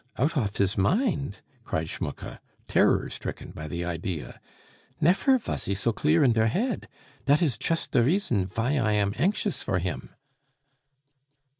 out off his mind!" cried Schmucke, terror stricken by the idea. "Nefer vas he so clear in der head... dat is chust der reason vy I am anxious for him."